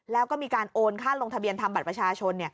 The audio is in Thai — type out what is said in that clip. แล้วก็มีการโอนค่าลงทะเบียนทำบัตรประชาชน